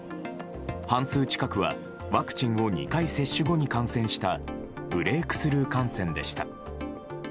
半数近くはワクチンを２回接種後に感染したブレークスルー感染でした。